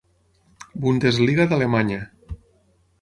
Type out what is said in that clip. Bundesliga d'Alemanya.